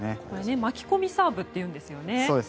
巻き込みサーブって言うんですね。